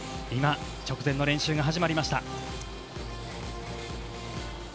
今、直前の練習が始まりました。